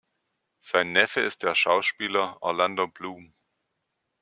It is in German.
Sein Neffe ist der Schauspieler Orlando Bloom.